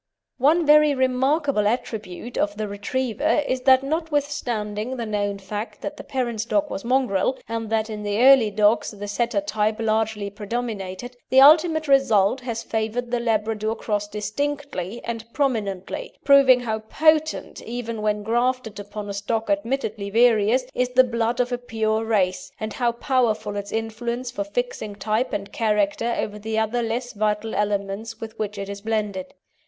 One very remarkable attribute of the Retriever is that notwithstanding the known fact that the parent stock was mongrel, and that in the early dogs the Setter type largely predominated, the ultimate result has favoured the Labrador cross distinctly and prominently, proving how potent, even when grafted upon a stock admittedly various, is the blood of a pure race, and how powerful its influence for fixing type and character over the other less vital elements with which it is blended.